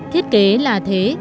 thiết kế là thế